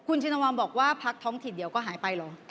คุณชินวัลบอกว่าพักท้องถิ่นเดี๋ยวก็หายไปเหรอ